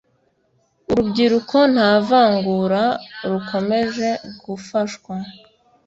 urubyiruko, nta vangura rukomeje gufashwa